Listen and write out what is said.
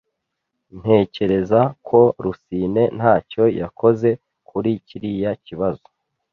Ntekereza ko Rusine ntacyo yakoze kuri kiriya kibazo.